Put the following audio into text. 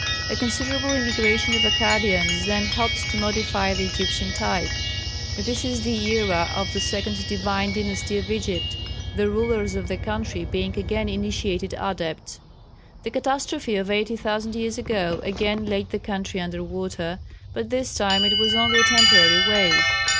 A considerable immigration of Akkadians then helped to modify the Egyptian type. This is the era of the second "Divine Dynasty" of Egypt the rulers of the country being again Initiated Adepts. The catastrophe of 80,000 years ago again laid the country under water, but this time it was only a temporary wave.